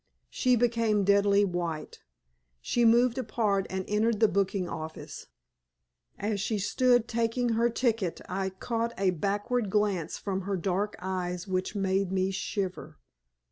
She became deadly white; she moved apart and entered the booking office. As she stood taking her ticket I caught a backward glance from her dark eyes which made me shiver.